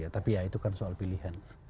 tapi ya itu kan soal pilihan